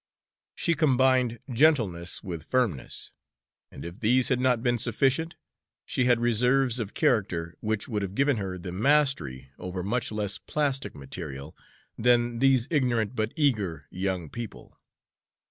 She combined gentleness with firmness; and if these had not been sufficient, she had reserves of character which would have given her the mastery over much less plastic material than these ignorant but eager young people.